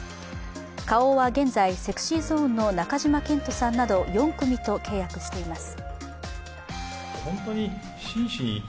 花王は現在、ＳｅｘｙＺｏｎｅの中島健人さんなど４組と契約しています。